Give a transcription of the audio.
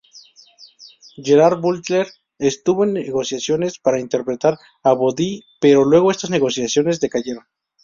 Gerard Butler estuvo en negociaciones para interpretar a Bodhi, pero luego estas negociaciones decayeron.